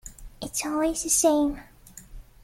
It’s always the same.